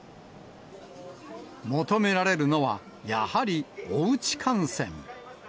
求められるのは、やはりおうち観戦。